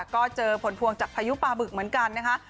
ก็เจอผลพวงจากพายุปลาบึกเหมือนกันนะคะ